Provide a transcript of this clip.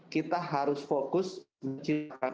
kita harus fokus menciptakan